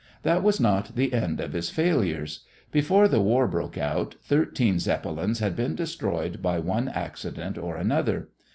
That was not the end of his failures. Before the war broke out, thirteen Zeppelins had been destroyed by one accident or another.